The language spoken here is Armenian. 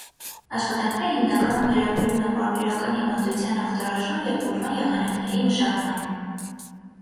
Աշխատանքները հիմնականում վերաբերում են պարբերական հիվանդության ախտորոշման և բուժման եղանակների մշակմանը։